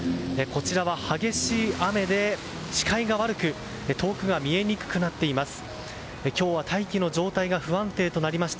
こちらは激しい雨で視界が悪く遠くが見えにくくなっています。